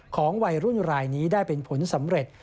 ของวัยรุ่นรายนี้ได้เป็นผลสำเร็จ